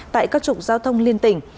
tại các trục giao thông liên tỉnh